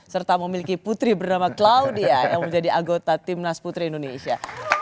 serta memiliki putri bernama claudia yang menjadi anggota timnas putri indonesia